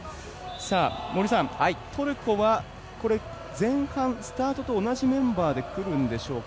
トルコは前半、スタートと同じメンバーでくるんでしょうか。